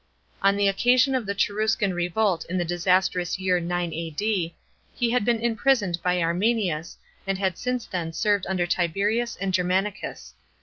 On the occasion of the Cheruscan revolt in the disastrous year 9 A.D. lie had been imprfeoned by Arminius, and had since then served under Tiberius and Germanicus.